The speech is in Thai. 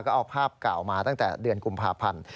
ก็เอาภาพเก่ามาตั้งแต่เดือนกุมภาพันธ์